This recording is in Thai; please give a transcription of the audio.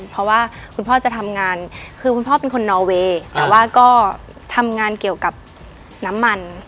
เพราะว่าคุณพ่อจะทำงานคือคุณพ่อเป็นคนนอเวย์แต่ว่าก็ทำงานเกี่ยวกับน้ำมัน